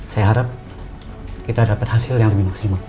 saya harap kita dapat hasil yang lebih maksimal